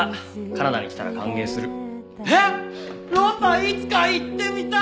いつか行ってみたい！